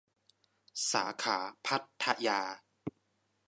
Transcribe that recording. สาขาพัทยา